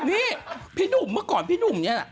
นี่พี่หนุ่มเมื่อก่อนพี่หนุ่มเนี่ย